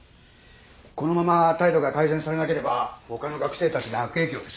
このまま態度が改善されなければ他の学生たちに悪影響です。